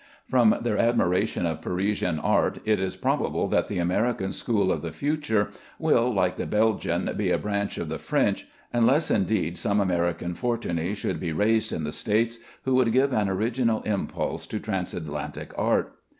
From their admiration of Parisian art it is probable that the American school of the future will, like the Belgian, be a branch of the French, unless indeed some American Fortuny should be raised in the States who would give an original impulse to Transatlantic art.